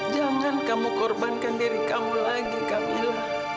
jangan kamu korbankan diri kamu lagi kamila